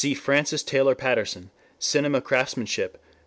Frances Taylor Patterson, Cinema Craftsmanship, pp.